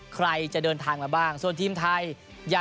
ก็จะมีความสนุกของพวกเรา